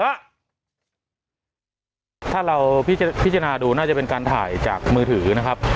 ถ้าเราพิจารณาดูน่าจะเป็นการถ่ายจากมือถือนะครับ